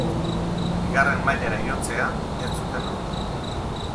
Bigarren mailara igotzea ez zuten lortu.